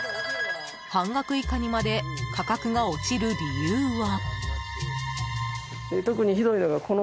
半額以下にまで価格が落ちる理由は。